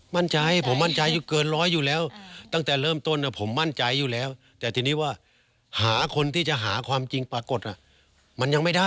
แม้ว่าจะผ่านมาเพิ่มเติมตอนนี้ไหม